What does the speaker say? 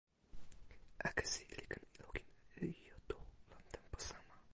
akesi li ken lukin e ijo tu lon tenpo sama!